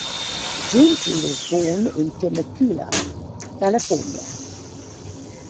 Gentry was born in Temecula, California.